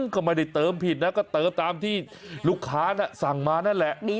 ก็ไม่ได้เติมผิดนะก็เติมตามที่ลูกค้าน่ะสั่งมานั่นแหละ